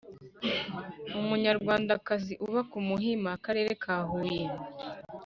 Umunyarwandakazi uba ku Muhima Akarere ka huye